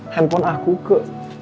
handphone aku ke